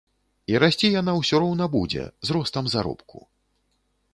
І расці яна ўсё роўна будзе, з ростам заробку.